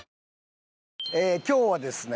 今日はですね